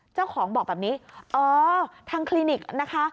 เจ้าของบอกแบบนี้อ๋อทางคลินิกนะคะ